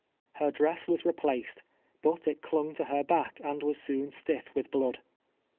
Her dress was replaced, but it clung to her back^ and was soon stiff with blood.